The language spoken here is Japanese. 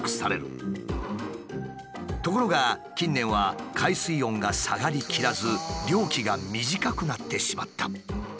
ところが近年は海水温が下がりきらず漁期が短くなってしまった。